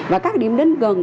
và các điểm đến gần